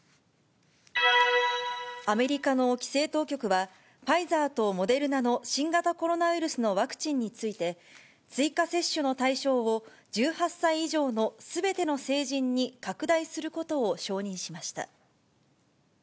アメリカの規制当局は、ファイザーとモデルナの新型コロナウイルスのワクチンについて、追加接種の対象を１８歳以上のすべての成人に拡大することを承認しました。